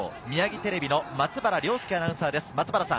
ミヤギテレビの松原稜典アナウンサーです。